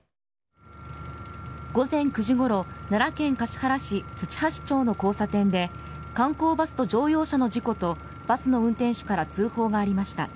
午前９時ごろ奈良県橿原市土橋町の交差点で観光バスと乗用車の事故とバスの運転手から通報がありました。